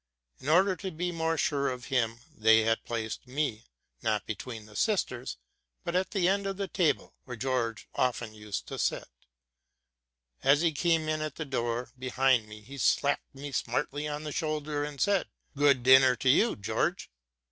In order to be more sure of him, they had placed me, not between the sisters, but at the end of the table, where George often used to sit. As he came im at the door behind me. he slapped me smartly 50 TRUTH AND FICTION on the shoulder, and said, '' Good dinner to you. George